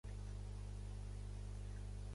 Douglas TenNapel va crear l'obra d'art.